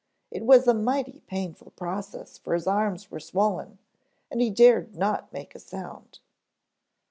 It was a mighty painful process for his arms were swollen and he dared not make a sound.